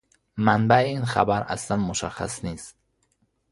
منبع این خبر اصلا مشخص نیست.